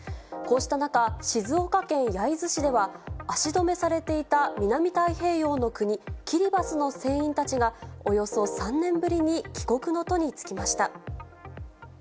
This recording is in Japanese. こうした中、静岡県焼津市では、足止めされていた南太平洋の国、キリバスの船員たちが、およそ３年ぶりに帰国の途に就きました。